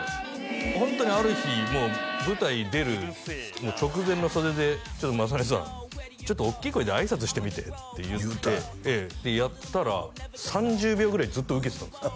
ホントにある日もう舞台出る直前の袖で「ちょっと雅紀さん」「ちょっと大きい声であいさつしてみて」って言ってでやったら３０秒ぐらいずっとウケてたんですよ